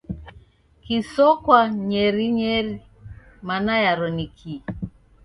Kisokwa nyerinyeiri mana yaro ni kii?